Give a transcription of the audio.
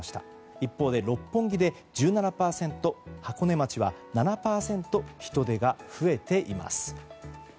一方で六本木で１７％箱根町は７％人出が増えています。